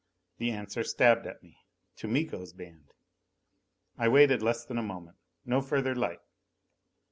The answer stabbed at me: to Miko's band! I waited less than a moment. No further light.